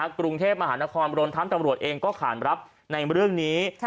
กรุงเทพมหานครรวมทั้งตำรวจเองก็ขานรับในเรื่องนี้